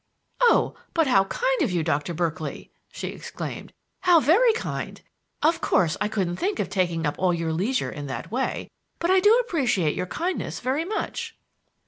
"Oh, but how kind of you, Dr. Berkeley!" she exclaimed. "How very kind! Of course, I couldn't think of taking up all your leisure in that way; but I do appreciate your kindness very much."